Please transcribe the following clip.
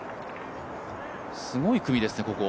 すごい組ですね、ここ。